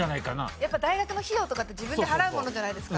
やっぱ大学の費用とかって自分で払うものじゃないですか。